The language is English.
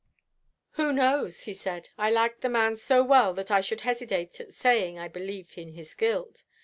"Who knows?" he said. "I liked the man so well that I should hesitate at saying I believe in his guilt.